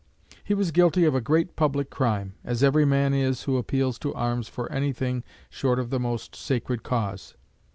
He was guilty of a great public crime, as every man is who appeals to arms for anything short of the most sacred cause.